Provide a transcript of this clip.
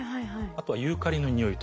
あとはユーカリの匂いとか。